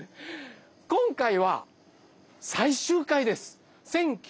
今回は最終回です。